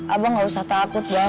abah gak usah takut ya abah